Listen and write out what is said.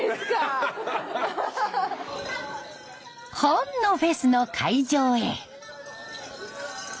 本のフェスの会場へ。